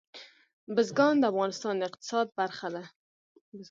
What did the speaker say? بزګان د افغانستان د اقتصاد برخه ده.